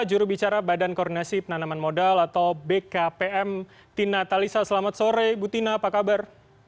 jurubicara badan koordinasi penanaman modal atau bkpm tina talisa selamat sore ibu tina apa kabar